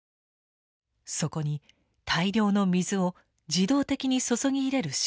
そこに大量の水を自動的に注ぎ入れる仕組みです。